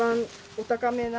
お高めな？